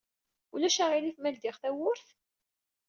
Ulac aɣilif ma ledyeɣ tawwurt?